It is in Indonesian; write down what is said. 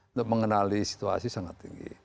untuk mengenali situasi sangat tinggi